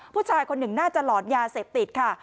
ผู้ชายคนหนึ่งน่าจะหลอนยาเสพติดค่ะ